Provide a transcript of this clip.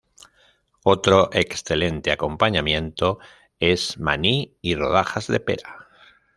Otro excelente acompañamiento es mani y rodajas de pera.